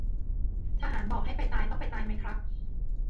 ทหารบอกให้ไปตายต้องไปตายไหมครับ